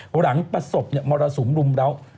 หลังประสบมรสุมรุมเล้า